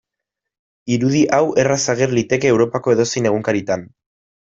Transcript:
Irudi hau erraz ager liteke Europako edozein egunkaritan.